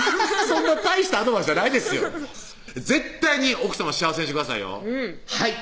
そんな大したアドバイスじゃないですよ絶対に奥さま幸せにしてくださいよはい！